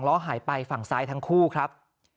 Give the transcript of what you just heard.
ล้อหายไปฝั่งซ้ายทั้งคู่ครับ